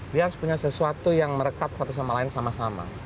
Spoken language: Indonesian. dia harus punya sesuatu yang merekat satu sama lain sama sama